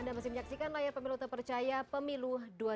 anda masih menyaksikan layar pemilu terpercaya pemilu dua ribu sembilan belas